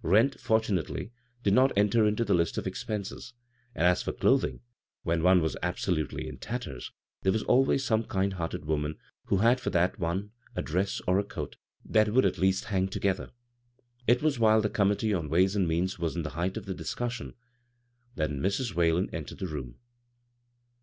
Rent, fortunately, did not enter into the list of expenses ; and as for clothing — when one was absolutely in tatters, there was always some kind hearted woman who had for that one a dress or a coat that would at least hang together. It was while the committee on ways and means was in the height of the discussion that Mrs. Whalen entered the room.